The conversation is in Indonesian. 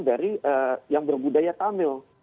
dari yang berbudaya tamil